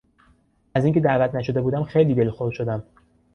از اینکه دعوت نشده بودم خیلی دلخور شدم.